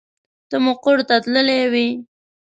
ته مقر ته تللې وې.